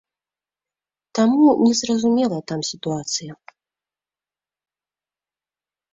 Таму, незразумелая там сітуацыя.